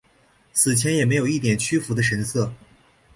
死前也没有一点屈服的神色。